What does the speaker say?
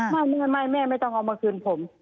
ไม่แม่ไม่ต้องเอามาคืนผม